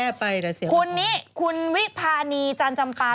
เอ้าคุณนี่คุณวิภานีจันจำปลา